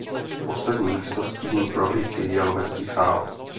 Poslední místností prohlídky je lovecký sál.